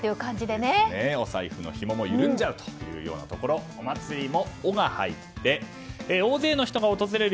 お財布のひもも緩んじゃうということで「オ」が入って大勢の人が訪れる